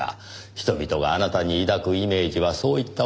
人々があなたに抱くイメージはそういったものでしょう。